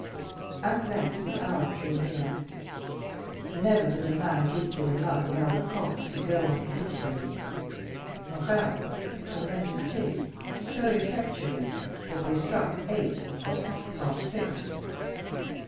At length the hour drew near. Never did a man deeply in love allow the clocks to go on peacefully. Morrel tormented his so effectually that they struck eight at half past six.